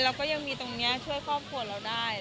เราก็ยังช่วยครอบครัวเราได้